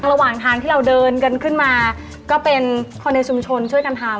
ระหว่างทางที่เราเดินกันขึ้นมาก็เป็นคนในชุมชนช่วยกันทำ